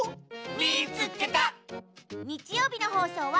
「みいつけた！」。